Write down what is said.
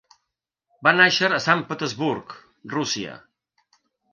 Va nàixer a Sant Petersburg, Rússia.